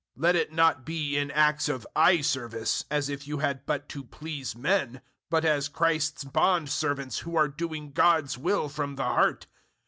006:006 Let it not be in acts of eye service as if you had but to please men, but as Christ's bondservants who are doing God's will from the heart.